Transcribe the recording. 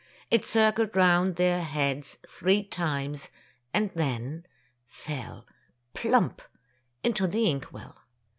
It circled round their heads three times, and then — fell — plump into the ink well.